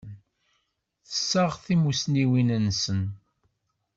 Tessaɣ timussniwin nsen.